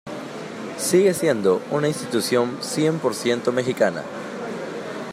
Sigue siendo una institución cien por ciento mexicana.